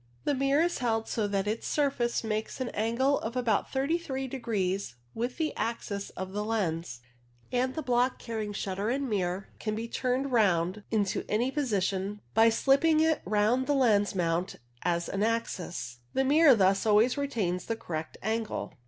The mirror is held so that its surface makes an angle of about 33 degrees with the axis of the lens, and the block carrying shutter and mirror can be turned round into any position by slipping it round the lens mount as an axis. The mirror thus always retains the correct angle.